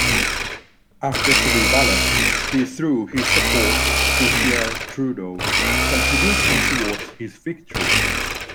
After three ballots, he threw his support to Pierre Trudeau, contributing towards his victory.